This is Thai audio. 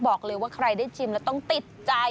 บอกเลยว่าใครได้ชิมแล้วต้องติดใจ